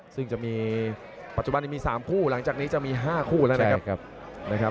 ซึ่งจะมีปัจจุบันนี้มี๓คู่หลังจากนี้จะมี๕คู่แล้วนะครับ